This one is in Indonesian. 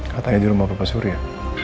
katanya di rumah bapak surya